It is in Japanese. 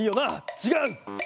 ちがう！